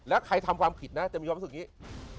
แล้วใครทำความผิดนะจะมีความรู้สึกอย่างนี้